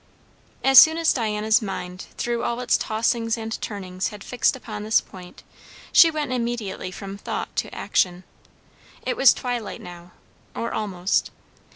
As soon as Diana's mind through all its tossings and turnings had fixed upon this point, she went immediately from thought to action. It was twilight now, or almost.